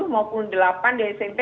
tujuh maupun delapan di smp